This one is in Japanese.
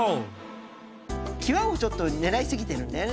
際をちょっと狙い過ぎてるんだよね。